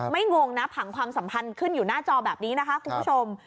งงนะผังความสัมพันธ์ขึ้นอยู่หน้าจอแบบนี้นะคะคุณผู้ชม